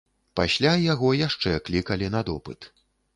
Пасля яго яшчэ клікалі на допыт.